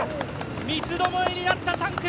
三つどもえになった３区！